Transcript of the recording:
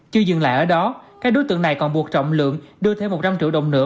chưa dừng lại ở đó các đối tượng này còn buộc trọng lượng đưa thêm một trăm linh triệu đồng nữa